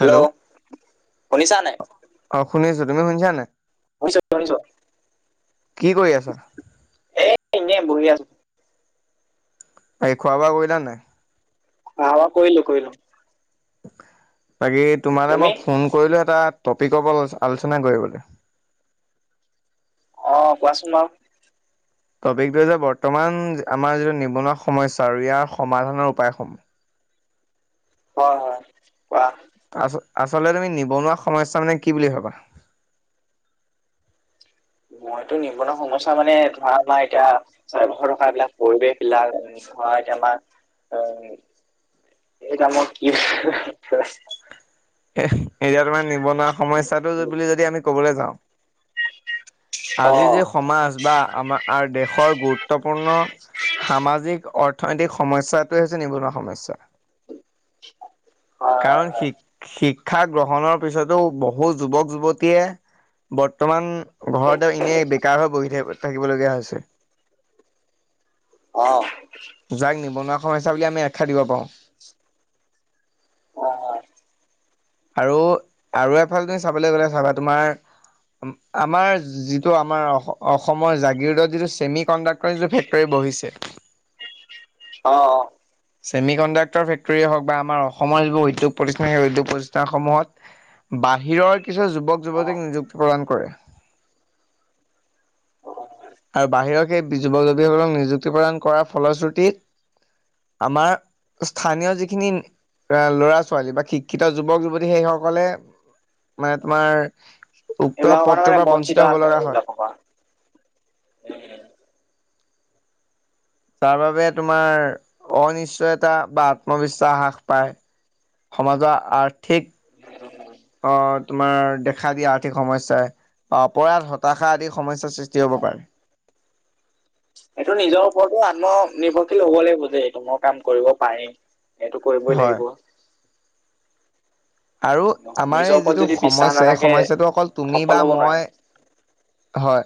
Hello শুনিছা নাই? অ' শুনি আছো তুমি শুনিছানে নাই? শুনিছোঁ শুনিছোঁ। কি কৰি আছা? এ এনে বহি আছো। বাকী খোৱা বোৱা কৰিলা নে নাই? খোৱা বোৱা কৰিলো কৰিলো। বাকী তোমালে তুমি? মই ফোন কৰিলো এটা টপিকৰ পৰা আলোচনা কৰিবলৈ অ' কোৱাচোন বাৰু। টপিকটোৱে যে বৰ্তমান আমাৰ যিটো নিবনুৱা সমস্যা আৰু ইয়াৰ সমাধানৰ উপায়সমূহ হয়, হয়। কোৱা আচল আচলতে তুমি নিবনুৱা সমস্যা মানে কি বুলি ভাবা? মইতো নিবনুৱা সমস্যা মানে ধৰা নাই এতিয়া চাৰ বশৰ থকা বিলাক পৰিৱেশ বিলাক হয়। [unintelligible] এই কামত কি [unintelligible] এ এতিয়া তোমাৰ নিবনুৱা সমস্যাটো বুলি যদি আমি কবলৈ যাওঁ অ আজি যে সমাজ বা আমাৰ দেশৰ গুৰুত্বপূৰ্ণ সামাজিক অৰ্থনৈতিক সমস্যাতোৱে হৈছে নিবনুৱা সমস্যা। হয় হয় কাৰণ হয় শি শিক্ষা গ্ৰহণৰ পিছতো বহু যুৱক-যুৱতীয়ে বৰ্তমান ঘৰতে এনেই বেকাৰ হৈ বহি থাকি থাকিবলগীয়া হৈছে। [unintelligible] যাক নিবনুৱা সমস্যা বুলি আমি আখ্যা দিব পাৰো। [unintelligible] আৰু আৰু এফালে তুমি চাবলৈ গ'লে চাবা তোমাৰ আমাৰ যিটো আমাৰ অসমৰ জাগিৰোডত যিটো চেমি কণ্ডাক্টৰ যিটো ফেক্ বহিছে। অ' অ' ছেমি কণ্ডাক্টৰ ফেক্টৰ হওক বা আমাৰ অসমৰ যিবোৰ উদ্যোগ প্ৰতিষ্ঠান সেই উদ্যোগ প্ৰতিষ্ঠানসমূহত বাহিৰৰ কিছু অ অ যুৱক-যুৱতীক নিযুক্তি প্ৰদান কৰে অ আৰু বাহিৰৰ সেই যুৱক যুৱীসকলক নিযুক্তি প্ৰদান কৰাৰ ফলশ্ৰুতিত আমাৰ স্থানীয় যিখিনি ল'ৰা ছোৱালী বা শিক্ষিত যুৱক যুৱতী সেইসকলে মানে তোমাৰ উক্ত এইবিলাকৰ কাৰণে মানে পথটোৰ পৰা বঞ্চিত হব আছে লগা হয়। এইবিলাকৰ পৰা উম, তাৰ বাবে তোমাৰ অনিশ্চয়তা বা আত্মবিশ্বাস হ্ৰাস পায়। সমাজৰ আৰ্থিক উ [unintelligible] অ' তোমাৰ দেখা দিয়া আৰ্থিক সমস্যাই অপৰাধ হতাশা আদি সমস্যাৰ সৃষ্টি হ'ব পাৰে। এইটো নিজৰ ওপৰতো আত্মনিৰ্ভৰশীল হব লাগিব যে এইটো মই কাম কৰিব পাৰিম। এইটো কৰিবই হয় লাগিব। আৰু আমাৰ নিজৰ এই ওপৰত যিটো যদি বিশ্বাস সমস্যা এই নাথাকে সমস্যাটো অকল তুমি সফল বা হ'ব নোৱাৰে মই হয়।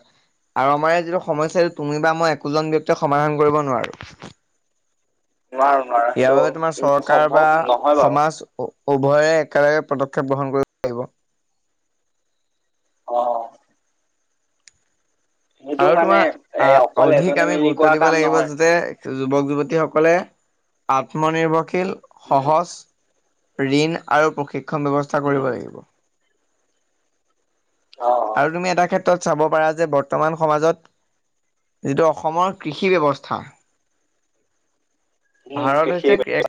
আৰু আমাৰ এই যিটো সমস্যা এইটো তুমি বা মই একোজন ব্যক্তিয়ে সমাধান কৰিব নোৱাৰো। নোৱাৰো নোৱাৰো ইয়াৰ সেইটো বাবে তোমাৰ চৰকাৰ সম্ভৱ বা নহয় বাৰু সমাজ উভয়ে একেলগে পদক্ষেপ গ্ৰহণ কৰিব লাগিব। অ', সেইটো আৰু মানে এ তোমাৰ অকল অধিক এজনে আমি মিলি গুৰুত্ব কৰা দিব কাম লাগিব নহয় যাতে। যুৱক-যুৱতী সকলে আত্মনিৰ্ভৰশীল উম সহজ ঋণ আৰু প্ৰশিক্ষণ ব্যৱস্থা উম কৰিব লাগিব। অ', আৰু তুমি এটা ক্ষেত্ৰত চাব পাৰা যে বৰ্তমান সমাজত যিটো অসমৰ কৃষি ব্যৱস্থা। উম ভাৰত হৈছে সেই এক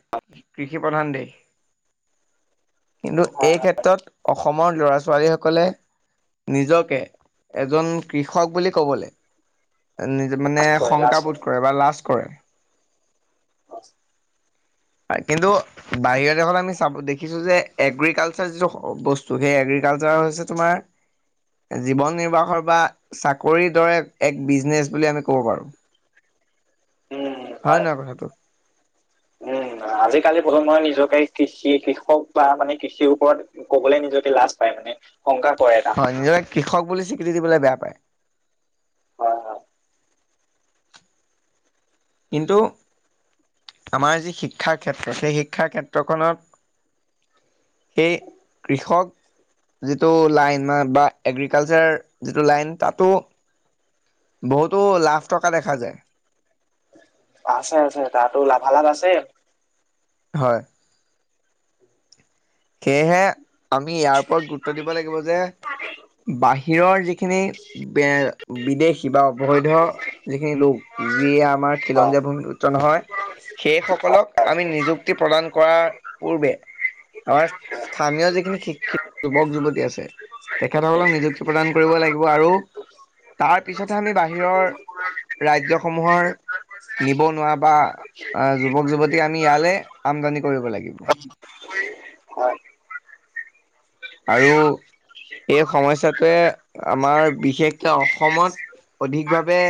কৃষি প্ৰধান দেশ। কিন্তু এই ক্ষেত্ৰত অসমৰ ল'ৰা-ছোৱালী সকলে নিজকে এজন কৃষক বুলি কবলৈ মানে কৰে লাষ্ট শংকাবোধ কৰে বা লাজ কৰে। আচ্ছা। পায় কিন্তু বাহিৰৰ দেশত আমি চাব দেখিছো যে এগ্ৰিকালচাৰ যিটো বস্তু সেই এগ্ৰিকালচাৰ হৈছে তোমাৰ জীৱন নিৰ্বাহৰ বা চাকৰিৰ দৰে এক বিজনেচ বুলি আমি কব পাৰো। হয় নহয় কথাটো? উম, আজিকালি প্ৰজন্মই নিজকে কৃষি কৃষক বা মানে কৃষিৰ ওপৰত ক'বলে নিজকে লাজ পায় মানে। শংকা কৰে এটা হয় নিজকে কৃষক বুলি স্বীকৃতি দিবলে বেয়া পায়। হয়, হয়। কিন্তু আমাৰ যি শিক্ষাৰ ক্ষেত্ৰ সেই শিক্ষাৰ ক্ষেত্ৰখনত এই কৃষক যিটো লাইন মান বা এগ্ৰিকালচাৰ যিটো লাইন তাতো বহুতো লাভ থকা দেখা যায়। আছে, আছে তাতো লাভালাভ আছে। হয়। সেয়েহে আমি ইয়াৰ ওপৰত গুৰুত্ব দিব লাগিব যে বাহিৰৰ যিখিনি বে-বিদেশী বা অবৈধ যিখিনি লোক যিয়ে আমাৰ হয়। খিলঞ্জীয়া ভূমি পুত্ৰ নহয়। সেইসকলক আমি নিযুক্তি প্ৰদান কৰাৰ পূৰ্বে [unintelligible] স্থানীয় যিখিনি শিক্ষিত যুৱক-যুৱতী আছে তেখেতসকলক নিযু প্ৰদান কৰিব লাগিব আৰু তাৰ পিছতহে আমি বাহিৰৰ ৰাজ্যসমূহৰ নিবনুৱা বা আ যুৱক-যুৱতী আমি ইয়ালে আমদানি কৰিব লাগিব। হয়। আৰু হয় হয় এই সমস্যাটোৱে আমাৰ বিশেষকে অসমত অধিকভাৱে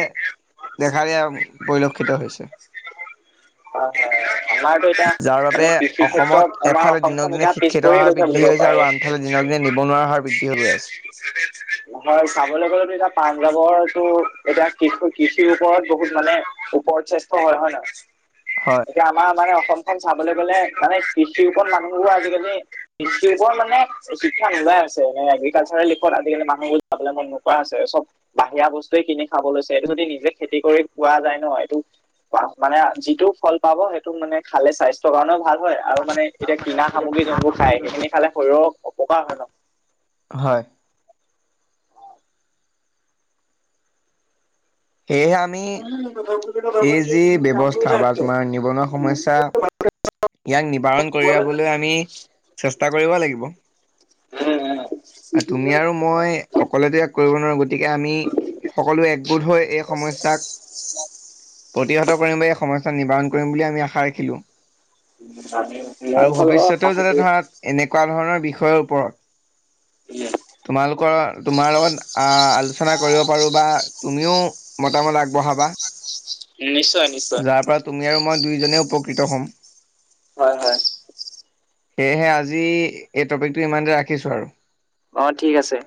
দেখা দিয়া পৰিলক্ষিত হৈছে। হয়, হয়। আমাৰটো এতিয়া যাৰ বাবে মানে কৃষি অসমত ক্ষেত্ৰত আমাৰ এফালে দিনক অসমখন দিনে এতিয়া পিছ শিক্ষিতৰ পৰিয়ে হাৰ গৈছে বৃদ্ধি বুলি ক'ব হৈছে আৰু পাৰি আনফালে দিনক দিনে নিবনুৱাৰ হাৰ বৃদ্ধি হৈ গৈ আছে। [unintelligible] হয় চাবলৈ গ'লেতো এতিয়া পাঞ্জাৱৰটো এতিয়া কৃষ-কৃষিৰ ওপৰত বহুত মানে উপৰত শ্ৰেষ্ঠ হয়, হয় নহয়। হয়। এতিয়া আমাৰ মানে অসমখন চাবলৈ গলে মানে কৃষিৰ ওপৰত মানুহবোৰ আজিকালি কৃষিৰ ওপৰত মানে শিক্ষা নোলাই আছে এনে এগ্ৰিকালচাৰত [unintelligible] আজিকালি মান [unintelligible] বাহিৰা বস্তুৱে কিনি খাব লৈছে এইটো যদি নিজে খেতি কৰি খোৱা যায় ন'এইটো যিটো ফল পাব সেইটো মানে খালে স্বাস্থ্য কাৰণেও ভাল হয় আৰু মানে এতিয়া কিনা সামগ্ৰী যোনবোৰ খায় সেইখিনি খালে শৰীৰৰ অপকাৰ হয় ন'। হয়। সেয়েহে আম উম, ব্যৱস্থা বা তোমাৰ নিবনুৱা সমস্যা [unintelligible] ইয়াক নিবাৰণ কৰিয়াবলৈ আমি চেষ্টা কৰিব লাগিব। উম, উম। আ তুমি আৰু মই অকলেতো ইয়াক কৰিব নোৱাৰো গতিকে আমি সকলো একগোট হৈ এই সমস্যাক প্ৰতিহত কৰিম বুলি এই সমস্যা নিবাৰণ কৰিম বুলি আমি আশা ৰাখিলোঁ। [unintelligible] মোৰ আৰু ফালৰ পৰাও ভৱিষ্যতেও আশা যাতে থাকিলে। ধৰা এনেকুৱা ধৰণৰ বিষয়ৰ ওপৰত তোমালোকৰ তোমাৰ লগত আহ আলোচনা কৰিব পাৰো বা তুমিও মতামত আগবঢ়াবা। উম, নিশ্চয়, নিশ্চয়। যাৰ পৰা তুমি আৰু মই দুয়োজনেই উপকৃত হ'ম। হয়, হয়। সেয়েহে আজি এই টপিকটো ইমান দে ৰাখিছোঁ আৰু অ' ঠিক আছে।